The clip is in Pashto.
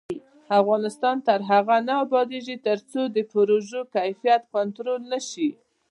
افغانستان تر هغو نه ابادیږي، ترڅو د پروژو کیفیت کنټرول نشي.